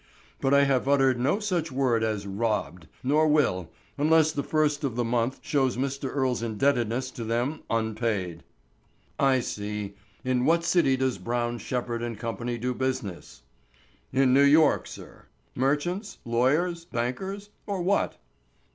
"But I have uttered no such word as robbed, nor will, unless the first of the month shows Mr. Earle's indebtedness to them unpaid." "I see. In what city does Brown, Shepherd, & Co. do business?" "In New York, sir." "Merchants, lawyers, bankers, or what?"